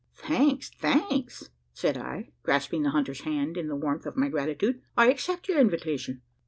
"Thanks thanks!" said I, grasping the hunter's hand in the warmth of my gratitude. "I accept your invitation."